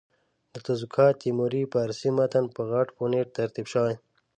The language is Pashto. د تزوکات تیموري فارسي متن په غټ فونټ ترتیب شوی.